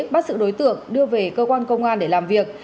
bắt sự đối tượng đưa về cơ quan công an để làm việc